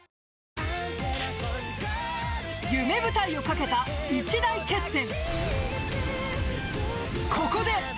［夢舞台を懸けた一大決戦］